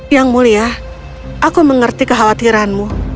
yang mulia aku mengerti kekhawatiranmu